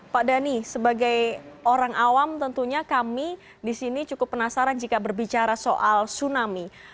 pak dhani sebagai orang awam tentunya kami di sini cukup penasaran jika berbicara soal tsunami